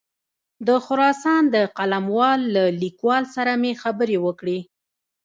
د خراسان د قلموال له لیکوال سره مې خبرې وکړې.